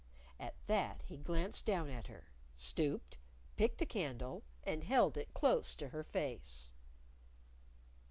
At that, he glanced down at her stooped picked a candle and held it close to her face.